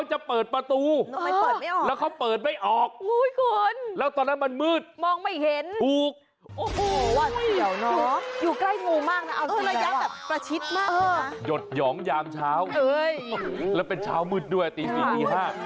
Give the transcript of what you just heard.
ชิดมากหยดหยองยามเช้าแล้วเป็นเช้ามืดด้วยตี๔ตี๕